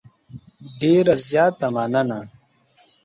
ډېره زیاته مننه .